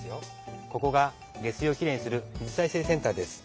ここが下水をきれいにする水再生センターです。